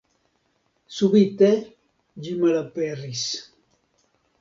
Subite ĝi malaperis.